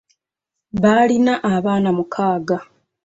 Baalina abaana mukaaga